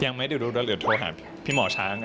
ไม่ได้ดูแล้วเดี๋ยวโทรหาพี่หมอช้าง